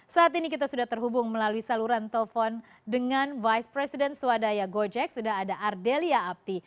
saat ini kita sudah terhubung melalui saluran telepon dengan vice president swadaya gojek sudah ada ardelia apti